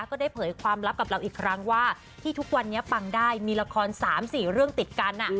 ก็ได้เผยความลับกับเราอีกครั้งว่าที่ทุกวันนี้ปังได้มีละคร๓๔เรื่องติดกัน